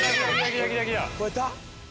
超えた？